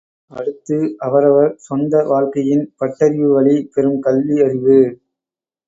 அடுத்து அவரவர் சொந்த வாழ்க்கையின் பட்டறிவு வழி பெறும் கல்வி அறிவு.